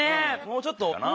もうちょっとかな？